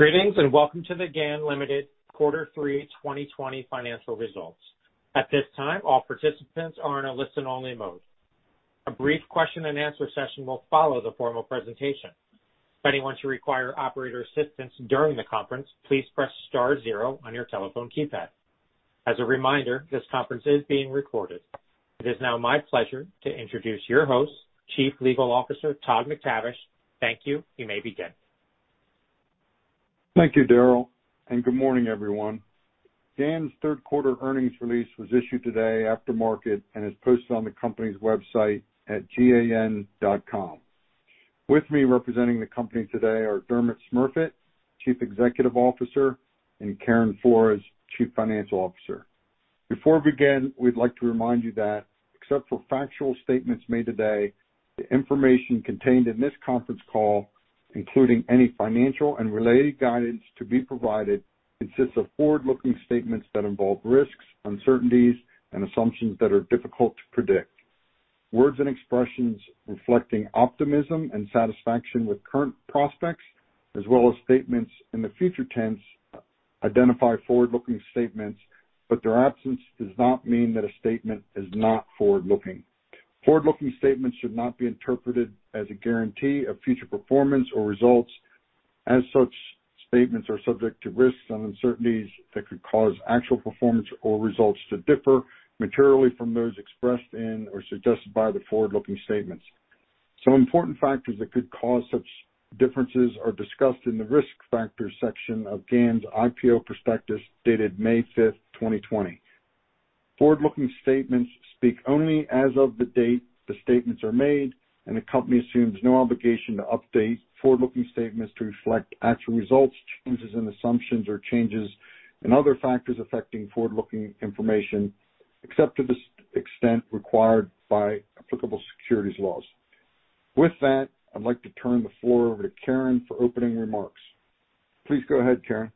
Greetings and welcome to the GAN Limited Quarter Three 2020 Financial Results. At this time, all participants are in a listen-only mode. A brief question-and-answer session will follow the formal presentation. If anyone should require operator assistance during the conference, please press star zero on your telephone keypad. As a reminder, this conference is being recorded. It is now my pleasure to introduce your host, Chief Legal Officer, Todd McTavish. Thank you. You may begin. Thank you, Daryl, and good morning, everyone. GAN's third quarter earnings release was issued today after market and is posted on the company's website at gan.com. With me representing the company today are Dermot Smurfit, Chief Executive Officer, and Karen Flores, Chief Financial Officer. Before we begin, we'd like to remind you that, except for factual statements made today, the information contained in this conference call, including any financial and related guidance to be provided, consists of forward-looking statements that involve risks, uncertainties, and assumptions that are difficult to predict. Words and expressions reflecting optimism and satisfaction with current prospects, as well as statements in the future tense, identify forward-looking statements, but their absence does not mean that a statement is not forward-looking. Forward-looking statements should not be interpreted as a guarantee of future performance or results, as such statements are subject to risks and uncertainties that could cause actual performance or results to differ materially from those expressed in or suggested by the forward-looking statements. Some important factors that could cause such differences are discussed in the risk factors section of GAN's IPO prospectus dated May 5th, 2020. Forward-looking statements speak only as of the date the statements are made, and the company assumes no obligation to update forward-looking statements to reflect actual results, changes in assumptions, or changes in other factors affecting forward-looking information, except to the extent required by applicable securities laws. With that, I'd like to turn the floor over to Karen for opening remarks. Please go ahead, Karen.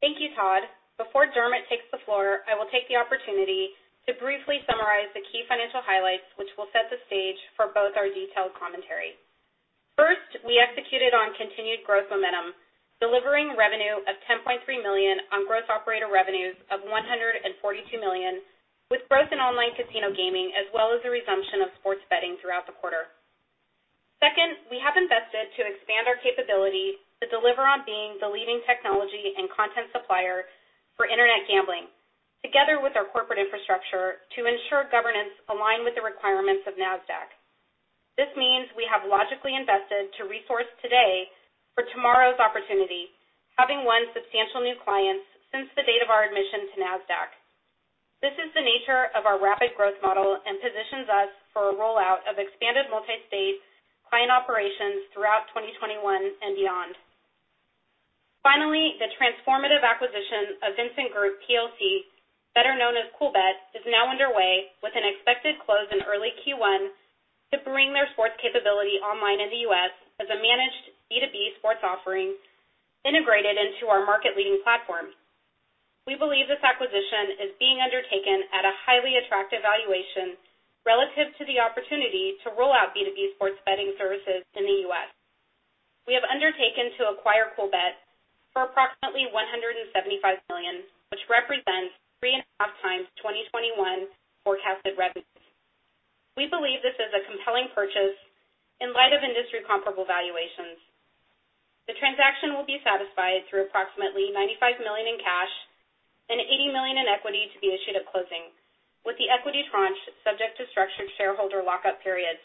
Thank you, Todd. Before Dermot takes the floor, I will take the opportunity to briefly summarize the key financial highlights, which will set the stage for both our detailed commentary. First, we executed on continued growth momentum, delivering revenue of $10.3 million on Gross Operator Revenues of $142 million, with growth in online casino gaming as well as the resumption of sports betting throughout the quarter. Second, we have invested to expand our capability to deliver on being the leading technology and content supplier for internet gambling, together with our corporate infrastructure to ensure governance aligned with the requirements of NASDAQ. This means we have logically invested to resource today for tomorrow's opportunity, having won substantial new clients since the date of our admission to NASDAQ. This is the nature of our rapid growth model and positions us for a rollout of expanded multi-state client operations throughout 2021 and beyond. Finally, the transformative acquisition of Vincent Group PLC, better known as Coolbet, is now underway, with an expected close in early Q1 to bring their sports capability online in the U.S. as a managed B2B sports offering integrated into our market-leading platform. We believe this acquisition is being undertaken at a highly attractive valuation relative to the opportunity to roll out B2B sports betting services in the U.S. We have undertaken to acquire Coolbet for approximately $175 million, which represents three and a half times 2021 forecasted revenues. We believe this is a compelling purchase in light of industry-comparable valuations. The transaction will be satisfied through approximately $95 million in cash and $80 million in equity to be issued at closing, with the equity tranche subject to structured shareholder lockup periods.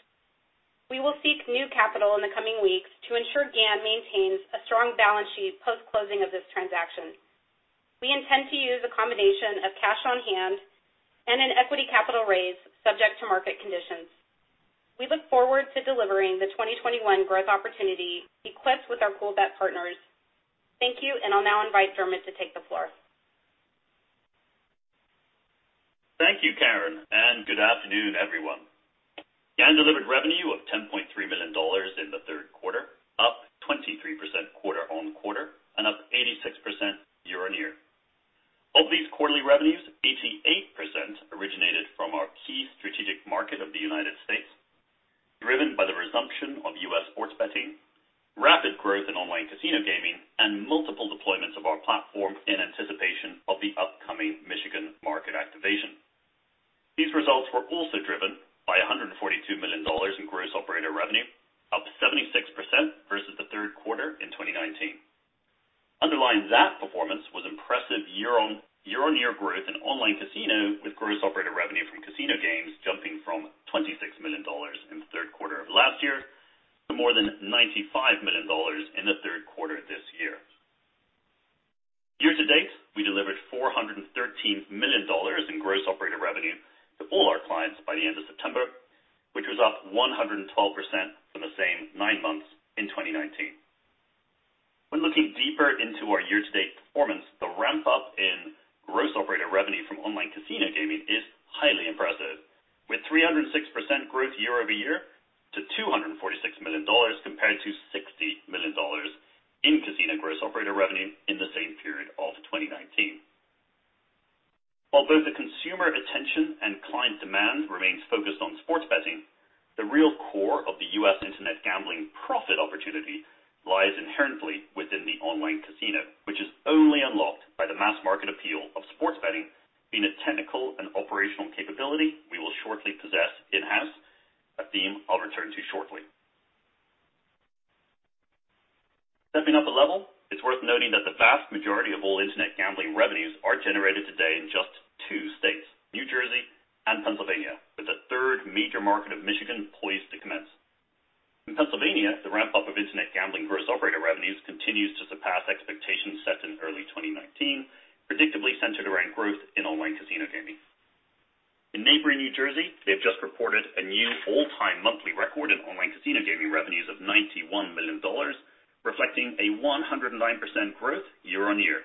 We will seek new capital in the coming weeks to ensure GAN maintains a strong balance sheet post-closing of this transaction. We intend to use a combination of cash on hand and an equity capital raise subject to market conditions. We look forward to delivering the 2021 growth opportunity equipped with our Coolbet partners. Thank you, and I'll now invite Dermot to take the floor. Thank you, Karen, and good afternoon, everyone. GAN delivered revenue of $10.3 million in the third quarter, up 23% quarter-on-quarter and up 86% year-on-year. Of these quarterly revenues, 88% originated from our key strategic market of the United States, driven by the resumption of U.S. sports betting, rapid growth in online casino gaming, and multiple deployments of our platform in anticipation of the upcoming Michigan market activation. These results were also driven by $142 million in Gross Operator Revenue, up 76% versus the third quarter in 2019. Underlying that performance was impressive year-on-year growth in online casino, with Gross Operator Revenue from casino games jumping from $26 million in the third quarter of last year to more than $95 million in the third quarter this year. Year to date, we delivered $413 million in Gross Operator Revenue to all our clients by the end of September, which was up 112% from the same nine months in 2019. When looking deeper into our year-to-date performance, the ramp-up in Gross Operator Revenue from online casino gaming is highly impressive, with 306% growth year-over-year to $246 million compared to $60 million in casino Gross Operator Revenue in the same period of 2019. Although the consumer attention and client demand remains focused on sports betting, the real core of the U.S. internet gambling profit opportunity lies inherently within the online casino, which is only unlocked by the mass market appeal of sports betting, being a technical and operational capability we will shortly possess in-house, a theme I'll return to shortly. Stepping up a level, it's worth noting that the vast majority of all internet gambling revenues are generated today in just two states, New Jersey and Pennsylvania, with the third major market of Michigan poised to commence. In Pennsylvania, the ramp-up of internet gambling Gross Operator Revenues continues to surpass expectations set in early 2019, predictably centered around growth in online casino gaming. In neighboring New Jersey, they have just reported a new all-time monthly record in online casino gaming revenues of $91 million, reflecting a 109% growth year-on-year.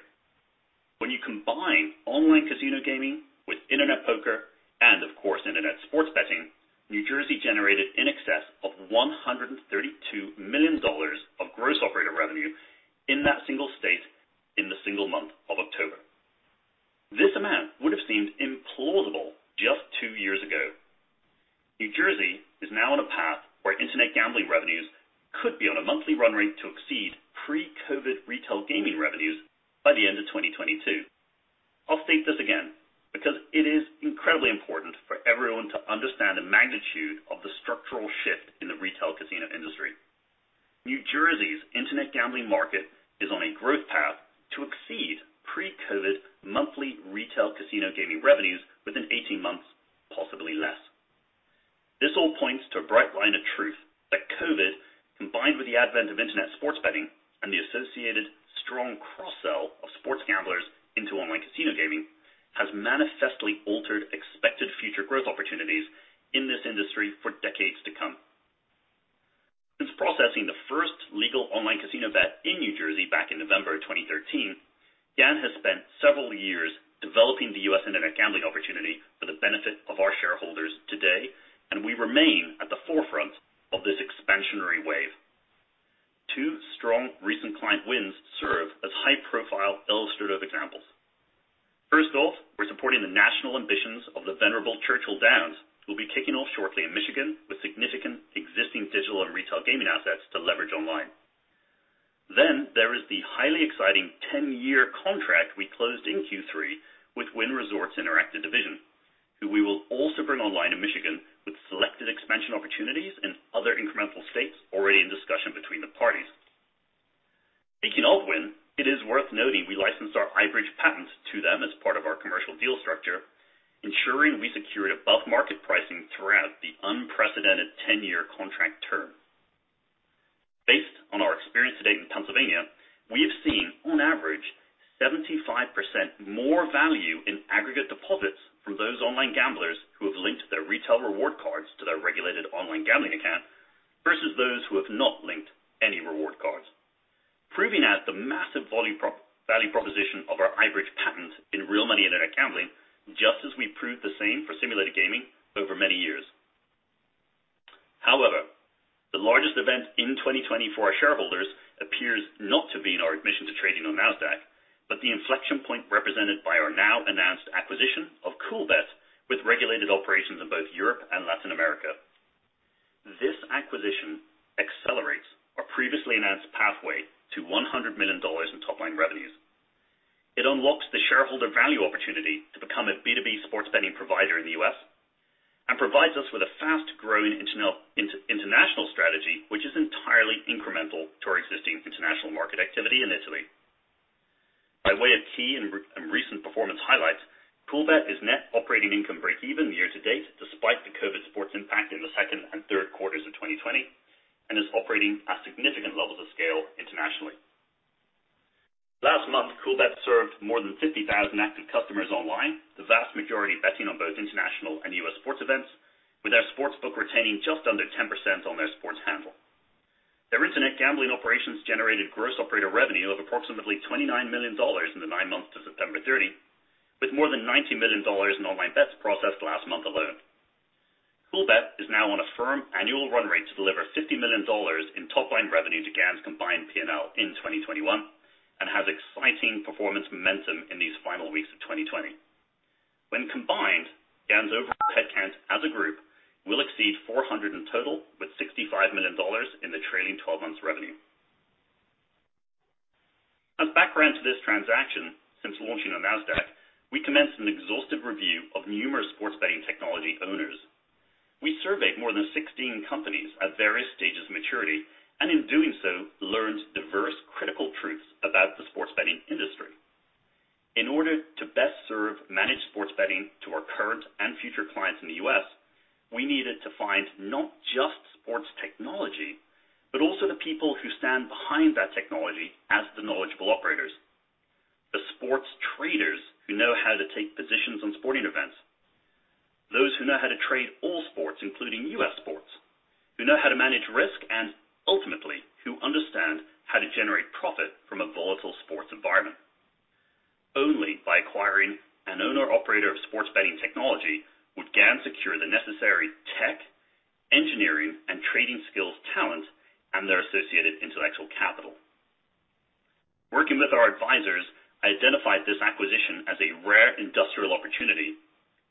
When you combine online casino gaming with internet poker and, of course, internet sports betting, New Jersey generated in excess of $132 million of Gross Operator Revenue in that single state in the single month of October. This amount would have seemed implausible just two years ago. New Jersey is now on a path where internet gambling revenues could be on a monthly run rate to exceed pre-COVID retail gaming revenues by the end of 2022. I'll state this again because it is incredibly important for everyone to understand the magnitude of the structural shift in the retail casino industry. New Jersey's internet gambling market is on a growth path to exceed pre-COVID monthly retail casino gaming revenues within 18 months, possibly less. This all points to a bright line of truth that COVID, combined with the advent of internet sports betting and the associated strong cross-sell of sports gamblers into online casino gaming, has manifestly altered expected future growth opportunities in this industry for decades to come. Since processing the first legal online casino bet in New Jersey back in November 2013, GAN has spent several years developing the U.S. internet gambling opportunity for the benefit of our shareholders today, and we remain at the forefront of this expansionary wave. Two strong recent client wins serve as high-profile illustrative examples. First off, we're supporting the national ambitions of the venerable Churchill Downs, who will be kicking off shortly in Michigan with significant existing digital and retail gaming assets to leverage online. Then there is the highly exciting 10-year contract we closed in Q3 with Wynn Resorts Interactive Division, who we will also bring online in Michigan with selected expansion opportunities in other incremental states already in discussion between the parties. Speaking of Wynn, it is worth noting we licensed our iBridge patent to them as part of our commercial deal structure, ensuring we secured above-market pricing throughout the unprecedented 10-year contract term. Based on our experience today in Pennsylvania, we have seen, on average, 75% more value in aggregate deposits from those online gamblers who have linked their retail reward cards to their regulated online gambling account versus those who have not linked any reward cards, proving out the massive value proposition of our iBridge patent in real money internet gambling, just as we proved the same for Simulated Gaming over many years. However, the largest event in 2020 for our shareholders appears not to be in our admission to trading on NASDAQ, but the inflection point represented by our now-announced acquisition of Coolbet with regulated operations in both Europe and Latin America. This acquisition accelerates our previously announced pathway to $100 million in top-line revenues. It unlocks the shareholder value opportunity to become a B2B sports betting provider in the U.S. and provides us with a fast-growing international strategy, which is entirely incremental to our existing international market activity in Italy. By way of key and recent performance highlights, Coolbet is net operating income break-even year to date, despite the COVID sports impact in the second and third quarters of 2020, and is operating at significant levels of scale internationally. Last month, Coolbet served more than 50,000 active customers online, the vast majority betting on both international and U.S. sports events, with their sportsbook retaining just under 10% on their sports handle. Their internet gambling operations generated Gross Operator Revenue of approximately $29 million in the nine months to September 30, with more than $90 million in online bets processed last month alone. Coolbet is now on a firm annual run rate to deliver $50 million in top-line revenue to GAN's combined P&L in 2021 and has exciting performance momentum in these final weeks of 2020. When combined, GAN's overall headcount as a group will exceed 400 in total, with $65 million in the trailing 12 months revenue. As background to this transaction, since launching on NASDAQ, we commenced an exhaustive review of numerous sports betting technology owners. We surveyed more than 16 companies at various stages of maturity and, in doing so, learned diverse critical truths about the sports betting industry. In order to best serve managed sports betting to our current and future clients in the U.S., we needed to find not just sports technology, but also the people who stand behind that technology as the knowledgeable operators, the sports traders who know how to take positions on sporting events, those who know how to trade all sports, including U.S. sports, who know how to manage risk, and ultimately, who understand how to generate profit from a volatile sports environment. Only by acquiring an owner-operator of sports betting technology would GAN secure the necessary tech, engineering, and trading skills talent and their associated intellectual capital. Working with our advisors, I identified this acquisition as a rare industrial opportunity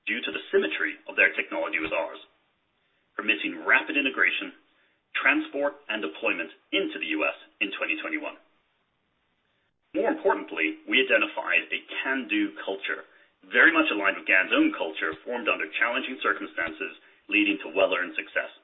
due to the symmetry of their technology with ours, permitting rapid integration, transport, and deployment into the U.S. in 2021. More importantly, we identified a can-do culture, very much aligned with GAN's own culture formed under challenging circumstances leading to well-earned success.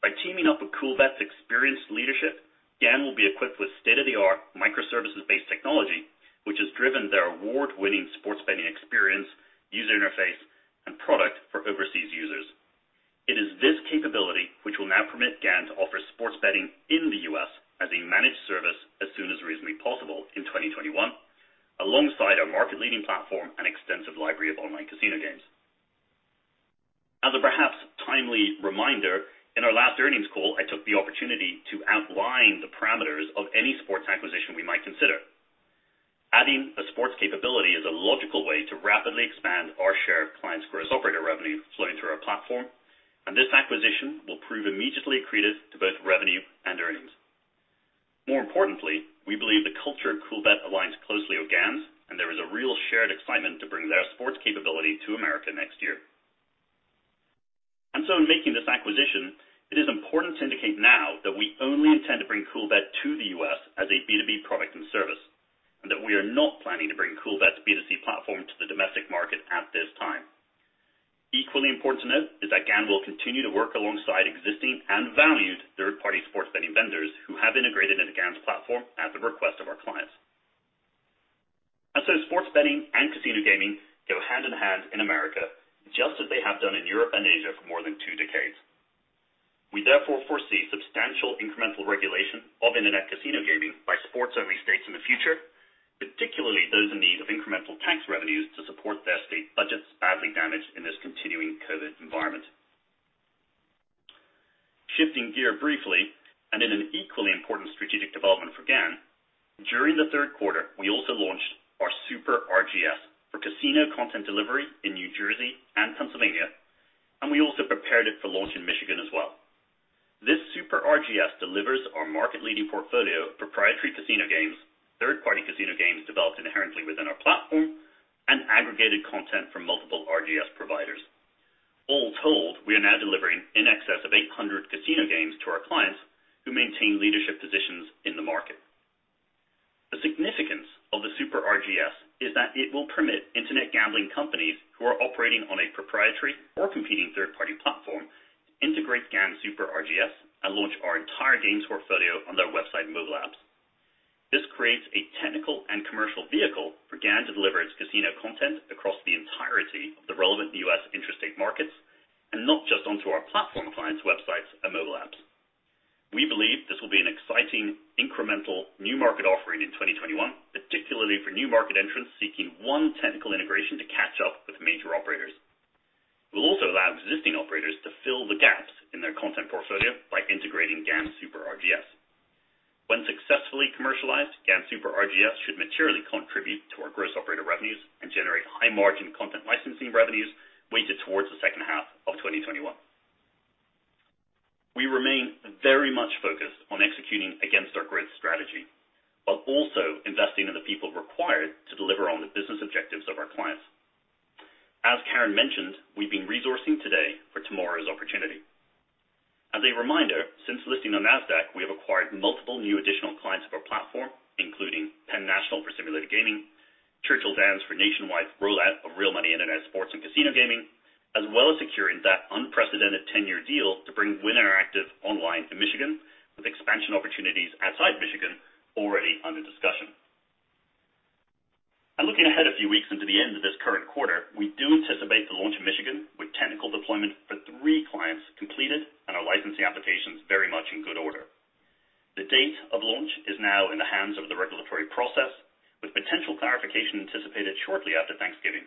By teaming up with Coolbet's experienced leadership, GAN will be equipped with state-of-the-art microservices-based technology, which has driven their award-winning sports betting experience, user interface, and product for overseas users. It is this capability which will now permit GAN to offer sports betting in the U.S. as a managed service as soon as reasonably possible in 2021, alongside our market-leading platform and extensive library of online casino games. As a perhaps timely reminder, in our last earnings call, I took the opportunity to outline the parameters of any sports acquisition we might consider. Adding a sports capability is a logical way to rapidly expand our share of clients' Gross Operator Revenue flowing through our platform, and this acquisition will prove immediately accretive to both revenue and earnings. More importantly, we believe the culture of Coolbet aligns closely with GAN's, and there is a real shared excitement to bring their sports capability to America next year. And so, in making this acquisition, it is important to indicate now that we only intend to bring Coolbet to the U.S. as a B2B product and service, and that we are not planning to bring Coolbet's B2C platform to the domestic market at this time. Equally important to note is that GAN will continue to work alongside existing and valued third-party sports betting vendors who have integrated into GAN's platform at the request of our clients. And so, sports betting and casino gaming go hand in hand in America, just as they have done in Europe and Asia for more than two decades. We, therefore, foresee substantial incremental regulation of internet casino gaming by sports-only states in the future, particularly those in need of incremental tax revenues to support their state budgets badly damaged in this continuing COVID environment. Shifting gear briefly, and in an equally important strategic development for GAN, during the third quarter, we also launched our Super RGS for casino content delivery in New Jersey and Pennsylvania, and we also prepared it for launch in Michigan as well. This Super RGS delivers our market-leading portfolio of proprietary casino games, third-party casino games developed inherently within our platform, and aggregated content from multiple RGS providers. All told, we are now delivering in excess of 800 casino games to our clients who maintain leadership positions in the market. The significance of the Super RGS is that it will permit internet gambling companies who are operating on a proprietary or competing third-party platform to integrate GAN's Super RGS and launch our entire games portfolio on their website and mobile apps. This creates a technical and commercial vehicle for GAN to deliver its casino content across the entirety of the relevant U.S. interstate markets and not just onto our platform clients' websites and mobile apps. We believe this will be an exciting incremental new market offering in 2021, particularly for new market entrants seeking one technical integration to catch up with major operators. We'll also allow existing operators to fill the gaps in their content portfolio by integrating GAN's Super RGS. When successfully commercialized, GAN's Super RGS should materially contribute to our Gross Operator Revenues and generate high-margin content licensing revenues weighted towards the second half of 2021. We remain very much focused on executing against our growth strategy, while also investing in the people required to deliver on the business objectives of our clients. As Karen mentioned, we've been resourcing today for tomorrow's opportunity. As a reminder, since listing on NASDAQ, we have acquired multiple new additional clients of our platform, including Penn National for Simulated Gaming, Churchill Downs for nationwide rollout of real money internet sports and casino gaming, as well as securing that unprecedented 10-year deal to bring Wynn Interactive online in Michigan, with expansion opportunities outside Michigan already under discussion. Looking ahead a few weeks into the end of this current quarter, we do anticipate the launch in Michigan with technical deployment for three clients completed and our licensing applications very much in good order. The date of launch is now in the hands of the regulatory process, with potential clarification anticipated shortly after Thanksgiving.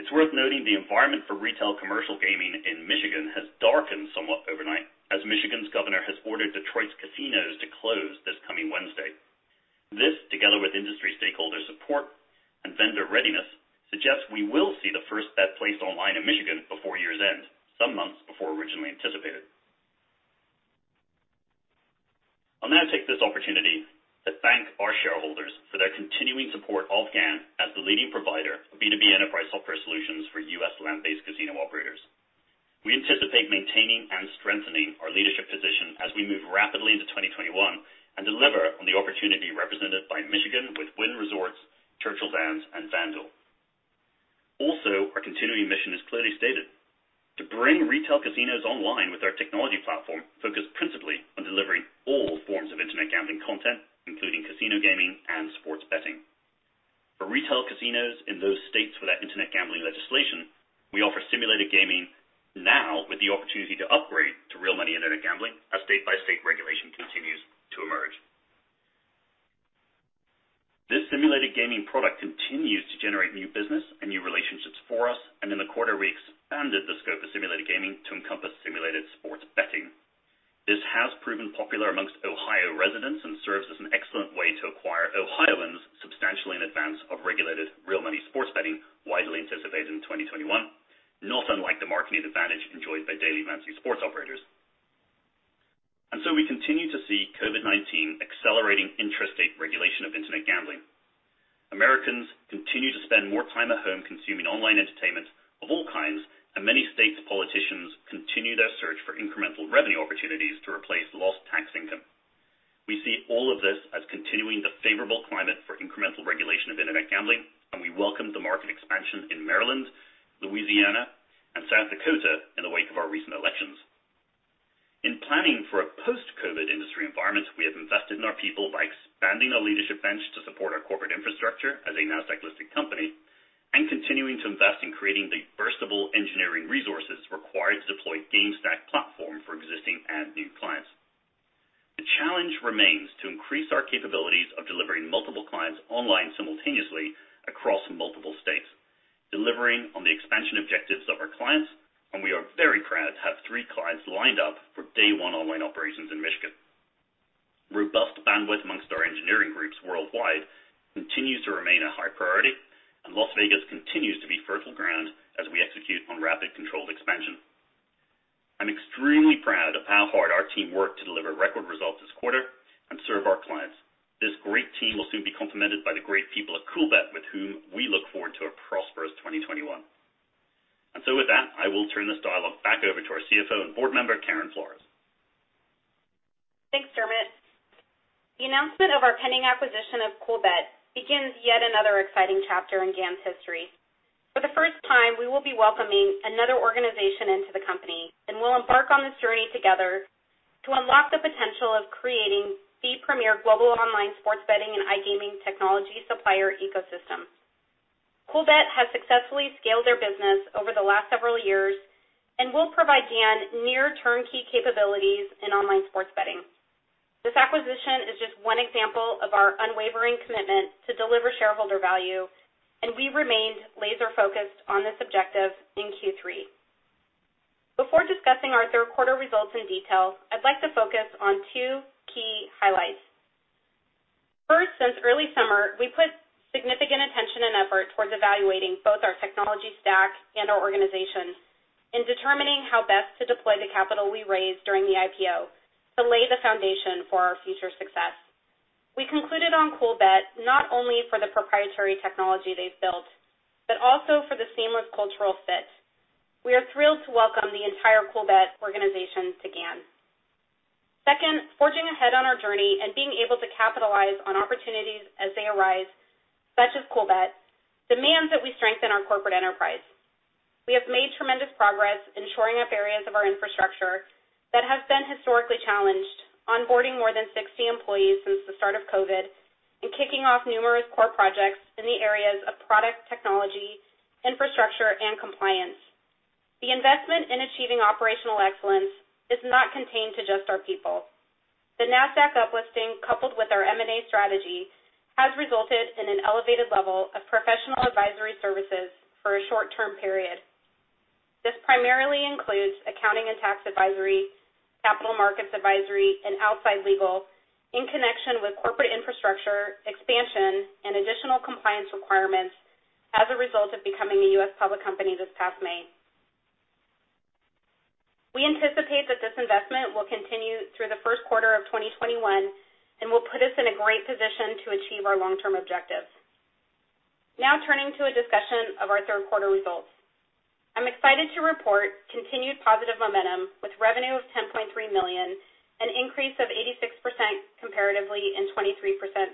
It's worth noting the environment for retail commercial gaming in Michigan has darkened somewhat overnight, as Michigan's governor has ordered Detroit's casinos to close this coming Wednesday. This, together with industry stakeholder support and vendor readiness, suggests we will see the first bet placed online in Michigan before year's end, some months before originally anticipated. I'll now take this opportunity to thank our shareholders for their continuing support of GAN as the leading provider of B2B enterprise software solutions for U.S. land-based casino operators. We anticipate maintaining and strengthening our leadership position as we move rapidly into 2021 and deliver on the opportunity represented by Michigan with Wynn Resorts, Churchill Downs, and FanDuel. Also, our continuing mission is clearly stated: to bring retail casinos online with our technology platform focused principally on delivering all forms of internet gambling content, including casino gaming and sports betting. For retail casinos in those states with our internet gambling legislation, we offer Simulated Gaming now with the opportunity to upgrade to real money internet gambling as state-by-state regulation continues to emerge. This Simulated Gaming product continues to generate new business and new relationships for us, and in the quarter, we expanded the scope of Simulated Gaming to encompass simulated sports betting. This has proven popular amongst Ohio residents and serves as an excellent way to acquire Ohioans substantially in advance of regulated real money sports betting widely anticipated in 2021, not unlike the marketing advantage enjoyed by daily fantasy sports operators. And so, we continue to see COVID-19 accelerating interstate regulation of internet gambling. Americans continue to spend more time at home consuming online entertainment of all kinds, and many states' politicians continue their search for incremental revenue opportunities to replace lost tax income. We see all of this as continuing the favorable climate for incremental regulation of internet gambling, and we welcome the market expansion in Maryland, Louisiana, and South Dakota in the wake of our recent elections. In planning for a post-COVID industry environment, we have invested in our people by expanding our leadership bench to support our corporate infrastructure as a NASDAQ-listed company and continuing to invest in creating the burstable engineering resources required to deploy GameSTACK platform for existing and new clients. The challenge remains to increase our capabilities of delivering multiple clients online simultaneously across multiple states, delivering on the expansion objectives of our clients, and we are very proud to have three clients lined up for day-one online operations in Michigan. Robust bandwidth amongst our engineering groups worldwide continues to remain a high priority, and Las Vegas continues to be fertile ground as we execute on rapid controlled expansion. I'm extremely proud of how hard our team worked to deliver record results this quarter and serve our clients. This great team will soon be complemented by the great people at Coolbet, with whom we look forward to a prosperous 2021. With that, I will turn this dialogue back over to our CFO and board member, Karen Flores. Thanks, Dermot. The announcement of our pending acquisition of Coolbet begins yet another exciting chapter in GAN's history. For the first time, we will be welcoming another organization into the company, and we'll embark on this journey together to unlock the potential of creating the premier global online sports betting and iGaming technology supplier ecosystem. Coolbet has successfully scaled their business over the last several years and will provide GAN near-turnkey capabilities in online sports betting. This acquisition is just one example of our unwavering commitment to deliver shareholder value, and we remained laser-focused on this objective in Q3. Before discussing our third quarter results in detail, I'd like to focus on two key highlights. First, since early summer, we put significant attention and effort towards evaluating both our technology stack and our organization in determining how best to deploy the capital we raised during the IPO to lay the foundation for our future success. We concluded on Coolbet not only for the proprietary technology they've built, but also for the seamless cultural fit. We are thrilled to welcome the entire Coolbet organization to GAN. Second, forging ahead on our journey and being able to capitalize on opportunities as they arise, such as Coolbet, demands that we strengthen our corporate enterprise. We have made tremendous progress in shoring up areas of our infrastructure that have been historically challenged, onboarding more than 60 employees since the start of COVID, and kicking off numerous core projects in the areas of product technology, infrastructure, and compliance. The investment in achieving operational excellence is not contained to just our people. The NASDAQ uplisting, coupled with our M&A strategy, has resulted in an elevated level of professional advisory services for a short-term period. This primarily includes accounting and tax advisory, capital markets advisory, and outside legal in connection with corporate infrastructure expansion and additional compliance requirements as a result of becoming a U.S. public company this past May. We anticipate that this investment will continue through the first quarter of 2021 and will put us in a great position to achieve our long-term objectives. Now, turning to a discussion of our third quarter results, I'm excited to report continued positive momentum with revenue of $10.3 million and an increase of 86% comparatively and 23%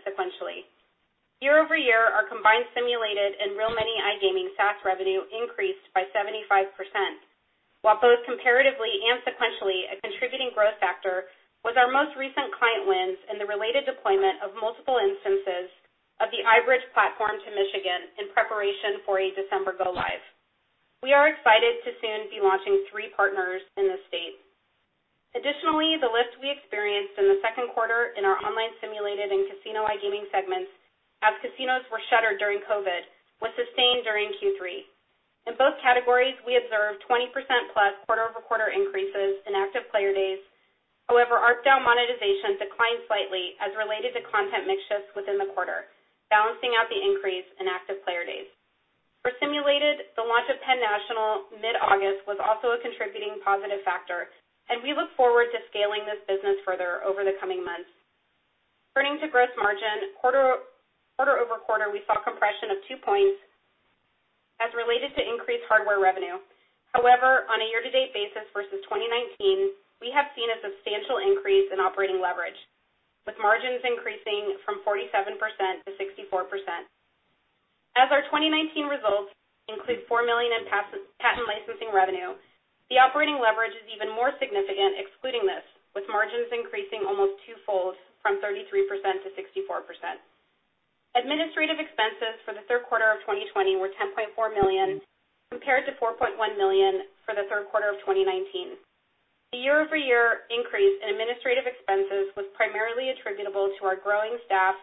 sequentially. Year-over-year, our combined simulated and real money iGaming SaaS revenue increased by 75%, while both comparatively and sequentially a contributing growth factor was our most recent client wins in the related deployment of multiple instances of the iBridge platform to Michigan in preparation for a December go-live. We are excited to soon be launching three partners in the state. Additionally, the lift we experienced in the second quarter in our online simulated and casino iGaming segments as casinos were shuttered during COVID was sustained during Q3. In both categories, we observed 20% plus quarter-over-quarter increases in Active Player Days. However, ARPDAU monetization declined slightly as related to content mix shifts within the quarter, balancing out the increase in Active Player Days. For simulated, the launch of Penn National mid-August was also a contributing positive factor, and we look forward to scaling this business further over the coming months. Turning to gross margin, quarter-over-quarter, we saw compression of two points as related to increased hardware revenue. However, on a year-to-date basis versus 2019, we have seen a substantial increase in operating leverage, with margins increasing from 47% to 64%. As our 2019 results include $4 million in patent licensing revenue, the operating leverage is even more significant excluding this, with margins increasing almost twofold from 33% to 64%. Administrative expenses for the third quarter of 2020 were $10.4 million compared to $4.1 million for the third quarter of 2019. The year-over-year increase in administrative expenses was primarily attributable to our growing staff,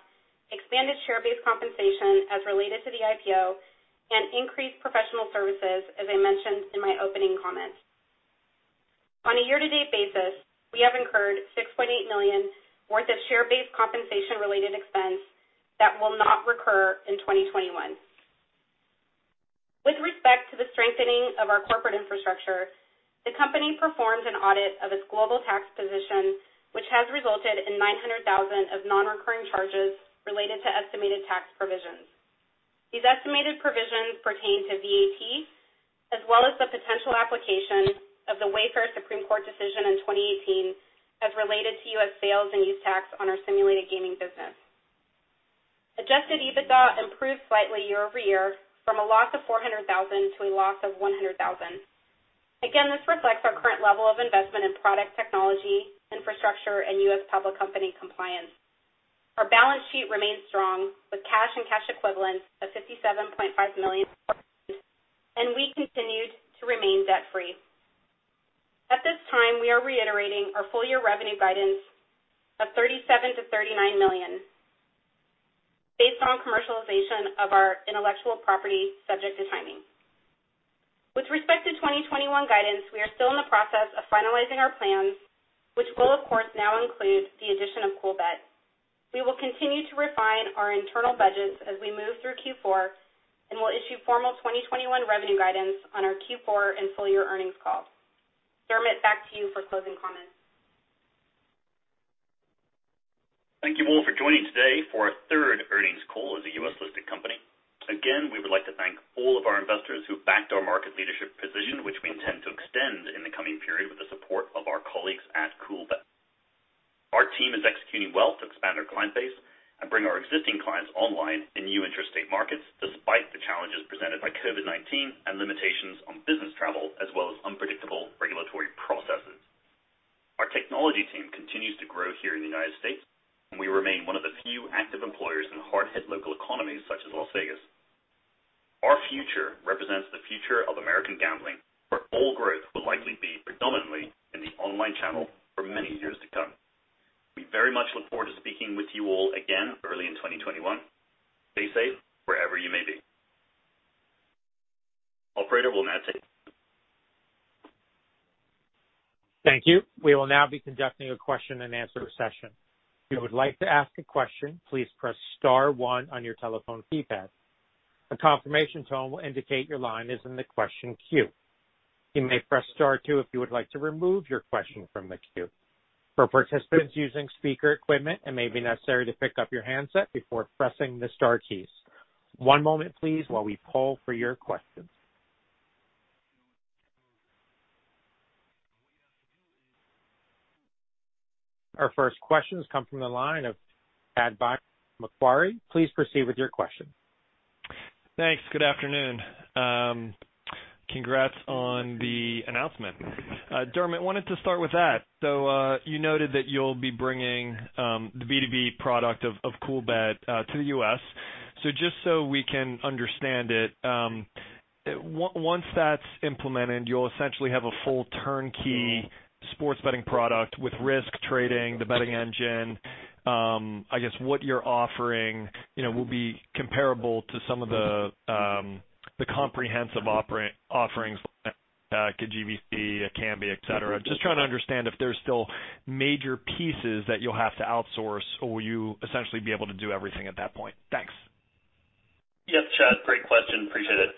expanded share-based compensation as related to the IPO, and increased professional services, as I mentioned in my opening comments. On a year-to-date basis, we have incurred $6.8 million worth of share-based compensation-related expense that will not recur in 2021. With respect to the strengthening of our corporate infrastructure, the company performed an audit of its global tax position, which has resulted in $900,000 of non-recurring charges related to estimated tax provisions. These estimated provisions pertain to VAT, as well as the potential application of the Wayfair Supreme Court decision in 2018 as related to U.S. sales and use tax on our Simulated Gaming business. Adjusted EBITDA improved slightly year-over-year from a loss of $400,000 to a loss of $100,000. Again, this reflects our current level of investment in product technology, infrastructure, and U.S. public company compliance. Our balance sheet remained strong with cash and cash equivalents of $57.5 million, and we continued to remain debt-free. At this time, we are reiterating our full-year revenue guidance of $37 million-$39 million based on commercialization of our intellectual property subject to timing. With respect to 2021 guidance, we are still in the process of finalizing our plans, which will, of course, now include the addition of Coolbet. We will continue to refine our internal budgets as we move through Q4 and will issue formal 2021 revenue guidance on our Q4 and full-year earnings call. Dermot, back to you for closing comments. Thank you all for joining today for our third earnings call as a U.S. listed company. Again, we would like to thank all of our investors who backed our market leadership position, which we intend to extend in the coming period with the support of our colleagues at Coolbet. Our team is executing well to expand our client base and bring our existing clients online in new interstate markets despite the challenges presented by COVID-19 and limitations on business travel, as well as unpredictable regulatory processes. Our technology team continues to grow here in the United States, and we remain one of the few active employers in hard-hit local economies such as Las Vegas. Our future represents the future of American gambling, where all growth will likely be predominantly in the online channel for many years to come. We very much look forward to speaking with you all again early in 2021. Stay safe wherever you may be. Operator will now take the floor. Thank you. We will now be conducting a question-and-answer session. If you would like to ask a question, please press Star one on your telephone keypad. A confirmation tone will indicate your line is in the question queue. You may press Star two if you would like to remove your question from the queue. For participants using speaker equipment, it may be necessary to pick up your handset before pressing the Star keys. One moment, please, while we poll for your questions. Our first questions come from the line of Chad Beynon with Macquarie. Please proceed with your question. Thanks. Good afternoon. Congrats on the announcement. Dermot, I wanted to start with that. So you noted that you'll be bringing the B2B product of Coolbet to the U.S. Just so we can understand it, once that's implemented, you'll essentially have a full-turnkey sports betting product with risk trading, the betting engine. I guess what you're offering will be comparable to some of the comprehensive offerings like GVC, Kambi, etc. Just trying to understand if there's still major pieces that you'll have to outsource or will you essentially be able to do everything at that point. Thanks. Yep, Chad, great question. Appreciate it.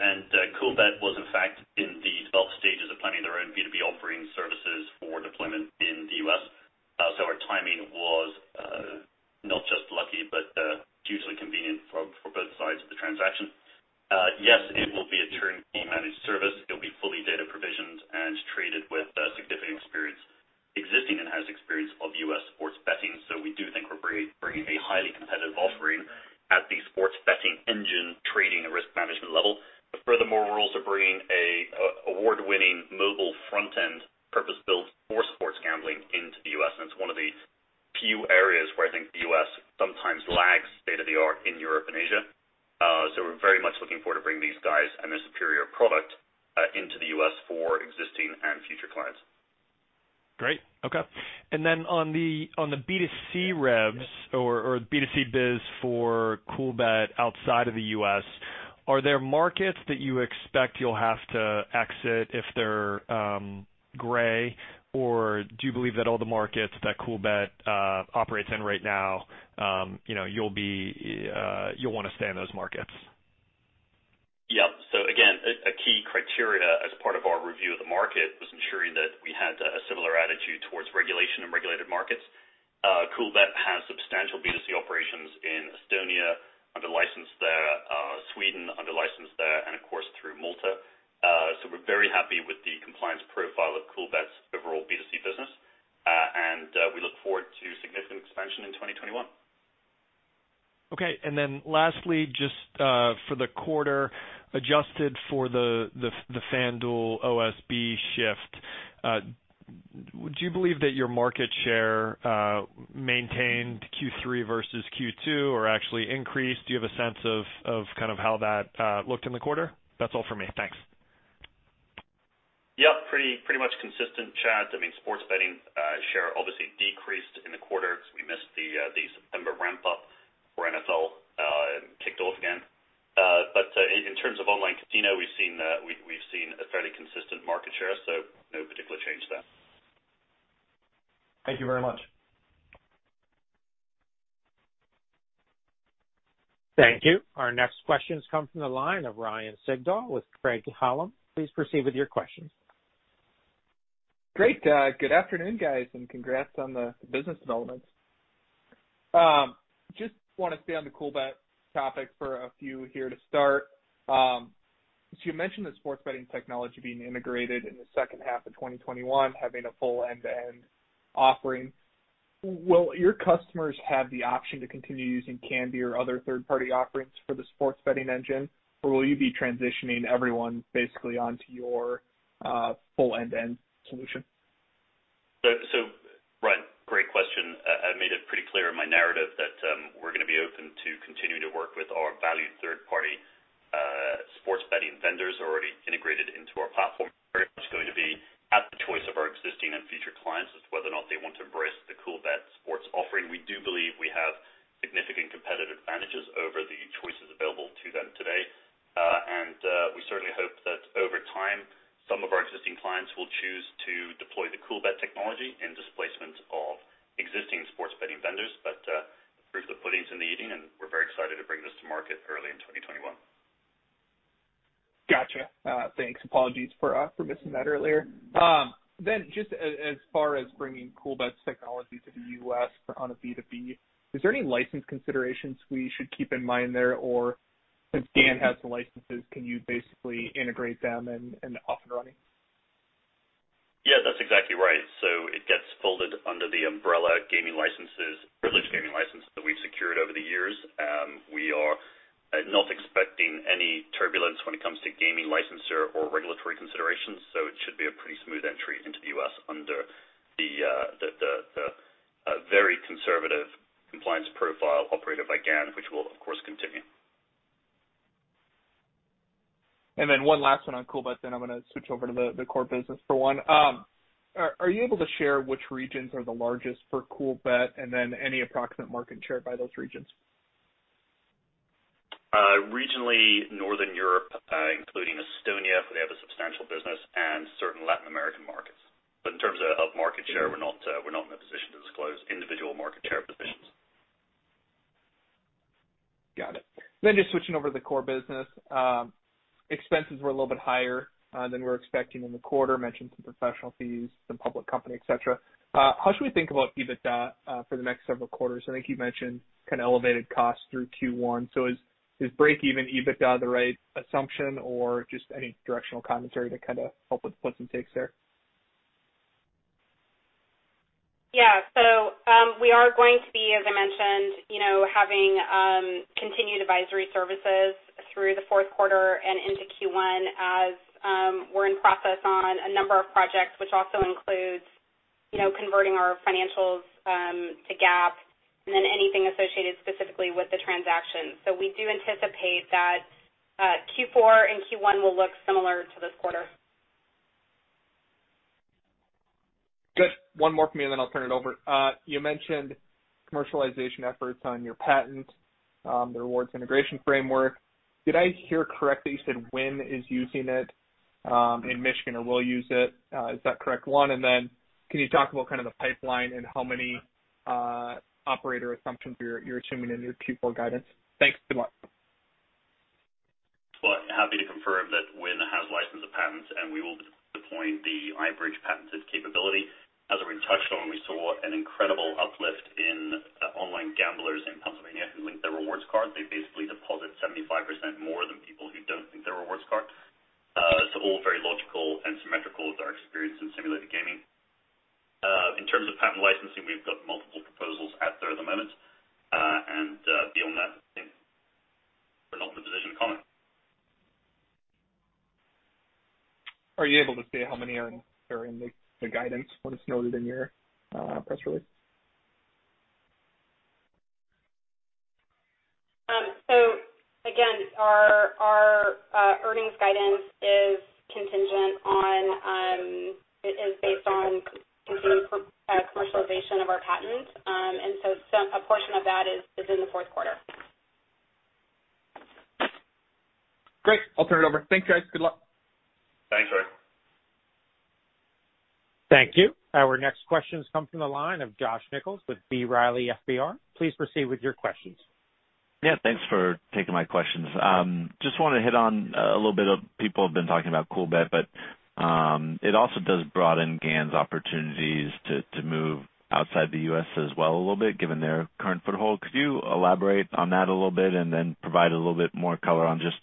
Coolbet was, in fact, in the developed stages of planning their own B2B offering services for deployment in the U.S. Our timing was not just lucky, but hugely convenient for both sides of the transaction. Yes, it will be a turnkey managed service. It will be fully data provisioned and traded with significant experience existing and has experience of U.S. sports betting. We do think we're bringing a highly competitive offering at the sports betting engine trading and risk management level. Furthermore, we're also bringing an award-winning mobile front-end purpose-built for sports gambling into the U.S. It's one of the few areas where I think the U.S. sometimes lags state of the art in Europe and Asia. We're very much looking forward to bringing these guys and their superior product into the U.S. for existing and future clients. Great. Okay. And then on the B2C revs or B2C biz for Coolbet outside of the U.S., are there markets that you expect you'll have to exit if they're gray? Or do you believe that all the markets that Coolbet operates in right now, you'll want to stay in those markets? Yep. So again, a key criterion as part of our review of the market was ensuring that we had a similar attitude towards regulation and regulated markets. Coolbet has substantial B2C operations in Estonia under license there, Sweden under license there, and of course, through Malta. So we're very happy with the compliance profile of Coolbet's overall B2C business, and we look forward to significant expansion in 2021. Okay. And then lastly, just for the quarter adjusted for the FanDuel OSB shift, would you believe that your market share maintained Q3 versus Q2 or actually increased? Do you have a sense of kind of how that looked in the quarter? That's all for me. Thanks. Yep. Pretty much consistent, Chad. I mean, sports betting share obviously decreased in the quarter because we missed the September ramp-up where NFL kicked off again. But in terms of online casino, we've seen a fairly consistent market share, so no particular change there. Thank you very much. Thank you. Our next questions come from the line of Ryan Sigdahl with Craig-Hallum. Please proceed with your questions. Great. Good afternoon, guys, and congrats on the business developments. Just want to stay on the Coolbet topic for a few here to start. So you mentioned the sports betting technology being integrated in the second half of 2021, having a full end-to-end offering. Will your customers have the option to continue using Kambi or other third-party offerings for the sports betting engine, or will you be transitioning everyone basically onto your full end-to-end solution? So, right. Great question. I made it pretty clear in my narrative that we're going to be open to continuing to work with our valued third-party sports betting vendors already integrated into our platform. It's going to be at the choice of our existing and future clients as to whether or not they want to embrace the Coolbet sports offering. We do believe we have significant competitive advantages over the choices available to them today. And we certainly hope that over time, some of our existing clients will choose to deploy the Coolbet technology in displacement of existing sports betting vendors. But the proof of the pudding's in the eating, and we're very excited to bring this to market early in 2021. Gotcha. Thanks. Apologies for missing that earlier. Then just as far as bringing Coolbet's technology to the U.S. on a B2B, is there any license considerations we should keep in mind there? Or since Dan has the licenses, can you basically integrate them and off and running? Yeah, that's exactly right. So it gets folded under the umbrella gaming licenses, privileged gaming licenses that we've secured over the years. We are not expecting any turbulence when it comes to gaming licensure or regulatory considerations. So it should be a pretty smooth entry into the U.S. under the very conservative compliance profile operated by GAN, which will, of course, continue. And then one last one on Coolbet, then I'm going to switch over to the core business for one. Are you able to share which regions are the largest for Coolbet, and then any approximate market share by those regions? Regionally, Northern Europe, including Estonia, where they have a substantial business, and certain Latin American markets. But in terms of market share, we're not in a position to disclose individual market share positions. Got it. Then just switching over to the core business, expenses were a little bit higher than we were expecting in the quarter. Mentioned some professional fees, some public company, etc. How should we think about EBITDA for the next several quarters? I think you mentioned kind of elevated costs through Q1. So is break-even EBITDA the right assumption, or just any directional commentary to kind of help with the points and takes there? Yeah. So we are going to be, as I mentioned, having continued advisory services through the fourth quarter and into Q1 as we're in process on a number of projects, which also includes converting our financials to GAAP and then anything associated specifically with the transaction. So we do anticipate that Q4 and Q1 will look similar to this quarter. Good. One more from me, and then I'll turn it over. You mentioned commercialization efforts on your patent, the rewards integration framework. Did I hear correctly? You said Wynn is using it in Michigan or will use it. Is that correct one? And then can you talk about kind of the pipeline and how many operator assumptions you're assuming in your Q4 guidance? Thanks so much. Happy to confirm that Wynn has licensed the patent, and we will deploy the iBridge patented capability. As we touched on, we saw an incredible uplift in online gamblers in Pennsylvania who link their rewards card. They basically deposit 75% more than people who don't link their rewards card. It's all very logical and symmetrical with our experience in Simulated Gaming. In terms of patent licensing, we've got multiple proposals out there at the moment. And beyond that, I think we're not in a position to comment. Are you able to see how many are in the guidance when it's noted in your press release? So again, our earnings guidance is contingent on it is based on continued commercialization of our patent. And so a portion of that is in the fourth quarter. Great. I'll turn it over. Thanks, guys. Good luck. Thanks, Ryan. Thank you. Our next questions come from the line of Josh Nichols with B. Riley FBR. Please proceed with your questions. Yeah. Thanks for taking my questions. Just wanted to hit on a little bit of people have been talking about Coolbet, but it also does broaden GAN's opportunities to move outside the U.S. as well a little bit, given their current foothold. Could you elaborate on that a little bit and then provide a little bit more color on just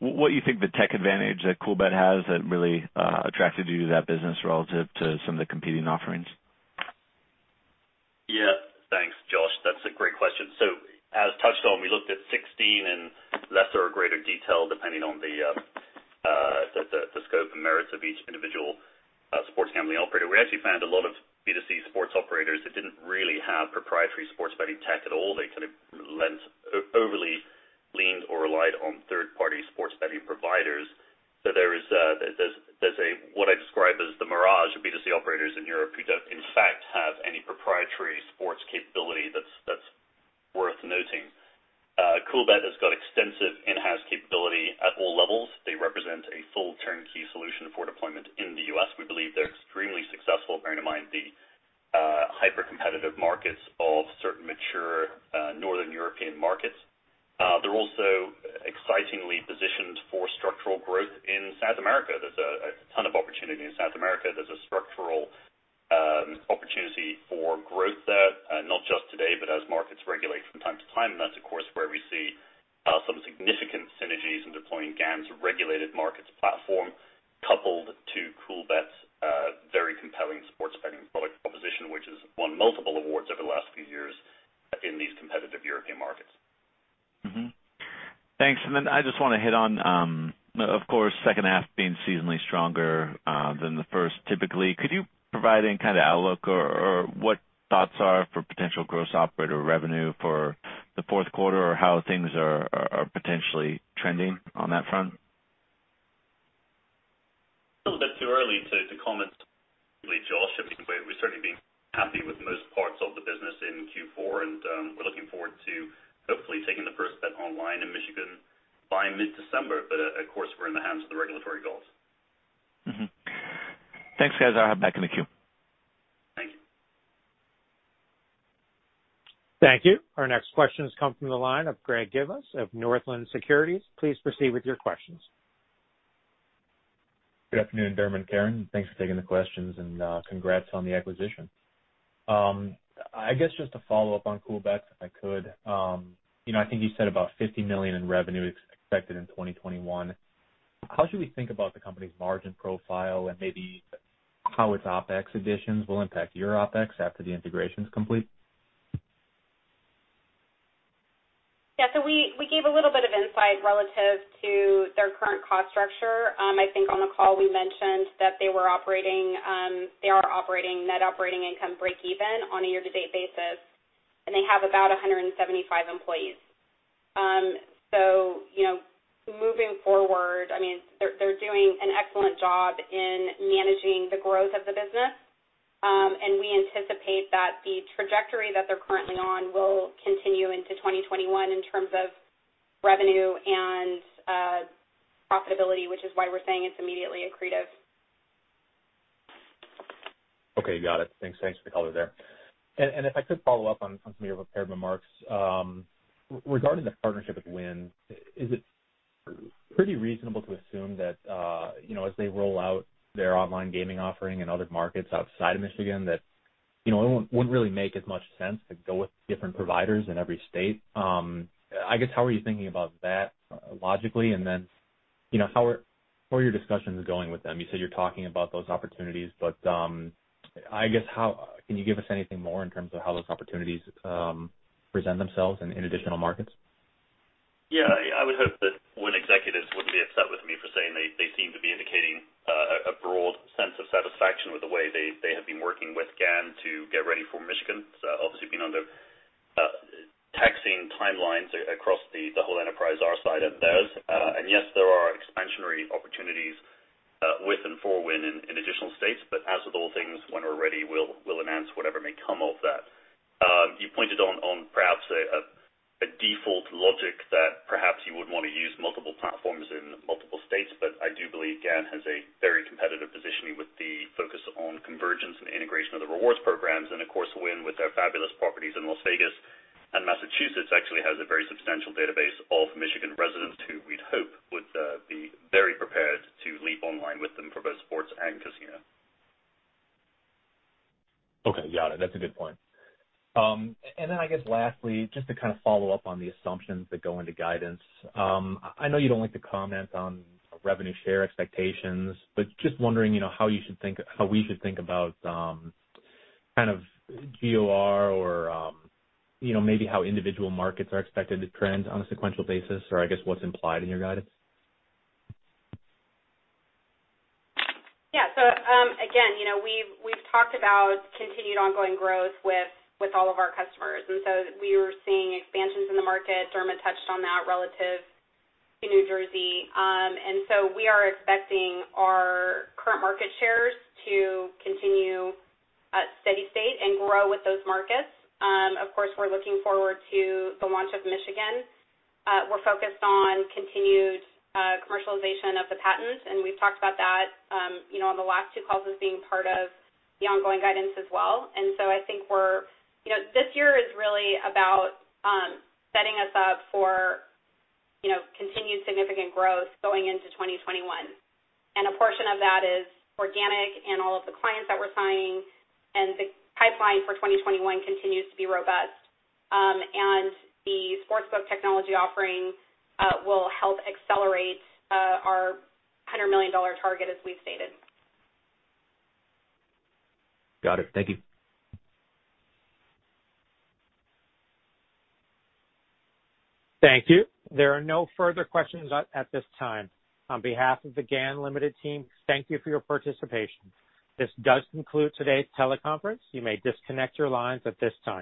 what you think the tech advantage that Coolbet has that really attracted you to that business relative to some of the competing offerings? Yeah. Thanks, Josh. That's a great question. So as touched on, we looked at 16 in lesser or greater detail depending on the scope and merits of each individual sports gambling operator. We actually found a lot of B2C sports operators that didn't really have proprietary sports betting tech at all. They kind of leaned overly or relied on third-party sports betting providers. So there's what I describe as the mirage of B2C operators in Europe who don't, in fact, have any proprietary sports capability that's worth noting. Coolbet has got extensive in-house capability at all levels. They represent a full-turnkey solution for deployment in the U.S. We believe they're extremely successful, bearing in mind the hyper-competitive markets of certain mature Northern European markets. They're also excitingly positioned for structural growth in South America. There's a ton of opportunity in South America. There's a structural opportunity for growth there, not just today, but as markets regulate from time to time. And that's, of course, where we see some significant synergies in deploying GAN's regulated markets platform coupled to Coolbet's very compelling sports betting product proposition, which has won multiple awards over the last few years in these competitive European markets. Thanks. And then I just want to hit on, of course, second half being seasonally stronger than the first typically. Could you provide any kind of outlook or what thoughts are for potential Gross Operator Revenue for the fourth quarter or how things are potentially trending on that front? A little bit too early to comment, really, Josh. I mean, we're certainly very happy with most parts of the business in Q4, and we're looking forward to hopefully taking the first bet online in Michigan by mid-December. But of course, we're in the hands of the regulatory gods. Thanks, guys. I'll hand it back to the queue. Thank you. Thank you. Our next questions come from the line of Greg Gibas of Northland Securities. Please proceed with your questions. Good afternoon, Dermot and Karen. Thanks for taking the questions and congrats on the acquisition. I guess just to follow up on Coolbet, if I could, I think you said about $50 million in revenue expected in 2021. How should we think about the company's margin profile and maybe how its OpEx additions will impact your OpEx after the integration is complete? Yeah. So we gave a little bit of insight relative to their current cost structure. I think on the call we mentioned that they are operating net operating income break-even on a year-to-date basis, and they have about 175 employees. So moving forward, I mean, they're doing an excellent job in managing the growth of the business, and we anticipate that the trajectory that they're currently on will continue into 2021 in terms of revenue and profitability, which is why we're saying it's immediately accretive. Okay. Got it. Thanks for the color there. And if I could follow up on some of your prepared remarks, regarding the partnership with Wynn, is it pretty reasonable to assume that as they roll out their online gaming offering in other markets outside of Michigan, that it wouldn't really make as much sense to go with different providers in every state? I guess how are you thinking about that logically? And then how are your discussions going with them? You said you're talking about those opportunities, but I guess can you give us anything more in terms of how those opportunities present themselves in additional markets? Yeah. I would hope that Wynn executives wouldn't be upset with me for saying they seem to be indicating a broad sense of satisfaction with the way they have been working with GAN to get ready for Michigan. So obviously, we've been under taxing timelines across the whole enterprise outside of theirs. with all of our customers. And so we were seeing expansions in the market. Dermot touched on that relative to New Jersey. And so we are expecting our current market shares to continue steady state and grow with those markets. Of course, we're looking forward to the launch of Michigan. We're focused on continued commercialization of the patent, and we've talked about that on the last two calls as being part of the ongoing guidance as well. And so I think we're this year is really about setting us up for continued significant growth going into 2021. And a portion of that is organic and all of the clients that we're signing. And the pipeline for 2021 continues to be robust. And the sportsbook technology offering will help accelerate our $100 million target as we've stated. Got it. Thank you. Thank you. There are no further questions at this time. On behalf of the GAN Limited team, thank you for your participation. This does conclude today's teleconference. You may disconnect your lines at this time.